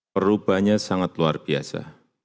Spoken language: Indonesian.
perubahannya sangat luar biasa